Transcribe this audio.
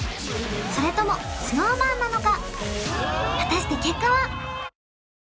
それともＳｎｏｗＭａｎなのか？